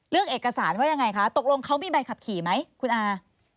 เอกสารว่ายังไงคะตกลงเขามีใบขับขี่ไหมคุณอา